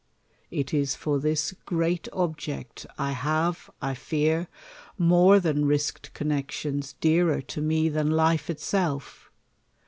It is for this great object I have, 1 fear, more than risked connexions dearer to m^ than life itself.